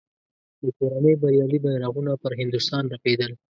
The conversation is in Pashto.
د کورنۍ بریالي بیرغونه پر هندوستان رپېدل.